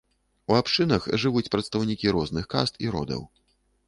У абшчынах жывуць прадстаўнікі розных каст і родаў.